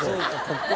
ここ。